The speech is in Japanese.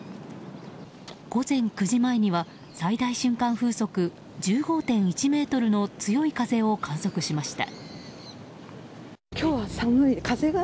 午前９時前には最大瞬間風速１５．１メートルの強い風を観測しました。